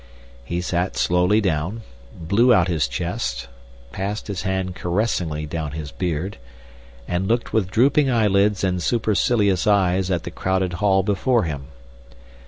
He sat slowly down, blew out his chest, passed his hand caressingly down his beard, and looked with drooping eyelids and supercilious eyes at the crowded hall before him.